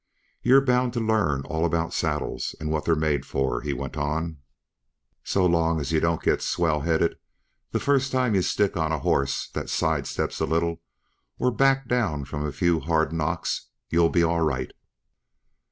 "You're bound to learn all about saddles and what they're made for," he went on. "So long as yuh don't get swell headed the first time yuh stick on a horse that side steps a little, or back down from a few hard knocks, you'll be all right."